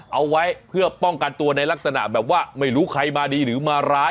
เอาไว้เพื่อป้องกันตัวในลักษณะแบบว่าไม่รู้ใครมาดีหรือมาร้าย